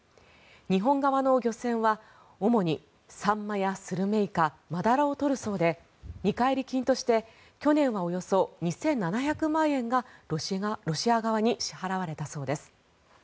日本側の漁船は主にサンマやスルメイカマダラを取るそうで見返り金として去年はおよそ２７００万円がロシア側に支払われたそうです。